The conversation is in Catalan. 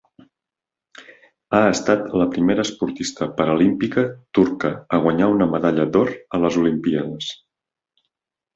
Ha estat la primera esportista paralímpica turca a guanyar una medalla d'or a les olimpíades.